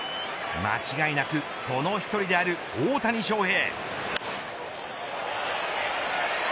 間違いなくその１人である大谷翔平。